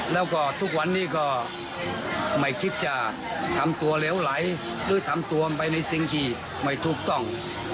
แล้วก็ทุกวันนี้ก็ไม่คิดจะทำตัวเหลวไหลหรือทำตัวไปในสิ่งที่ไม่ถูกต้อง